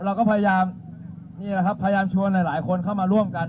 เราก็พยายามชวนหลายคนเข้ามาร่วมกัน